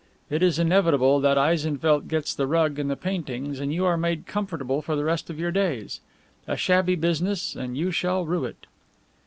It is inevitable that Eisenfeldt gets the rug and the paintings, and you are made comfortable for the rest of your days. A shabby business, and you shall rue it."